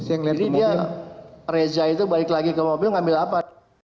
jadi dia reza itu balik lagi ke mobil ngambil apa